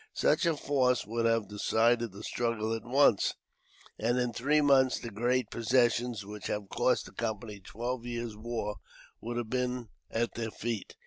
Such a force would have decided the struggle at once; and in three months the great possessions, which have cost the Company twelve years' war, would have been at their feet.